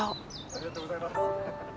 ありがとうございます。